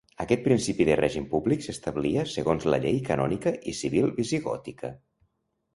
Aquest principi de règim públic s’establia segons la llei canònica i civil visigòtica.